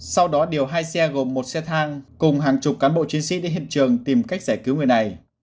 sau đó điều hai xe gồm một xe thang cùng hàng chục cán bộ chiến sĩ đến hiện trường tìm cách giải cứu người này